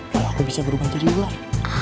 kalau aku bisa berubah jadi ular